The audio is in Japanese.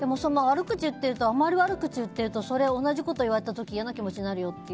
でも、あんまり悪口言ってるとそれ、同じこと言われた時嫌な気持ちになるよって。